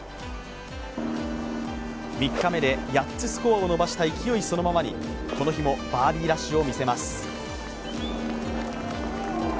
３日目で８つスコアを伸ばした勢いそのままにこの日もバーディーラッシュを見せます。